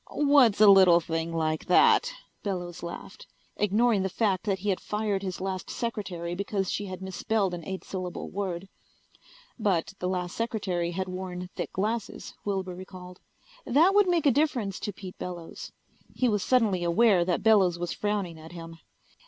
"What's a little thing like that?" Bellows laughed, ignoring the fact that he had fired his last secretary because she had misspelled an eight syllable word. But the last secretary had worn thick glasses, Wilbur recalled. That would make a difference to Pete Bellows. He was suddenly aware that Bellows was frowning at him.